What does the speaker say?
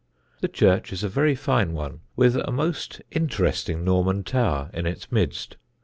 The church is a very fine one, with a most interesting Norman tower in its midst.